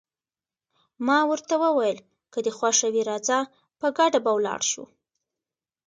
ما ورته وویل: که دې خوښه وي راځه، په ګډه به ولاړ شو.